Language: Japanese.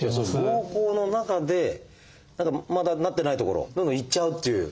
膀胱の中でまだなってない所どんどんいっちゃうっていう。